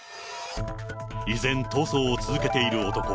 依然、逃走を続けている男。